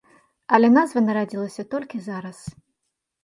Але назва нарадзілася толькі зараз.